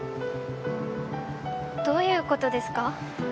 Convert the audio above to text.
どういうことですか？